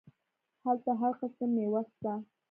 هلته هر قسم ميوه سته.